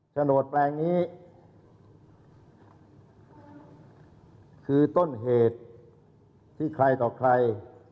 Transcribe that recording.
โฉนดแปลงนี้คือต้นเหตุที่ใครต่อใคร